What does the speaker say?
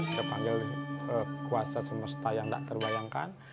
kita panggil kuasa semesta yang tak terbayangkan